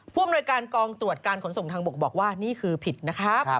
อำนวยการกองตรวจการขนส่งทางบกบอกว่านี่คือผิดนะครับ